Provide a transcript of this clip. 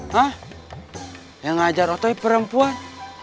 hah yang ngehajar otoy perempuan